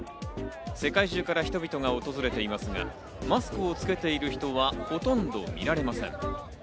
世界中から人々が訪れていますが、マスクをつけている人はほとんど見られません。